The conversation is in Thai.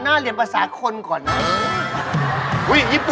ไทยก็ได้ยิปุ่นก็ได้